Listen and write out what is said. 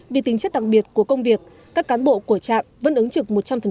vì tính chất đặc biệt của công việc các cán bộ của trạm vẫn ứng trực một trăm linh